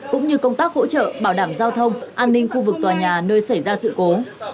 cũng như công tác hỗ trợ bảo đảm giao thông an ninh khu vực tòa nhà nơi xảy ra sự cố